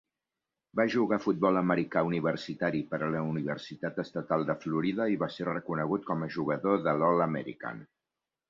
Va jugar a futbol americà universitari per a la Universitat Estatal de Florida, i va ser reconegut com a jugador de l'All-American.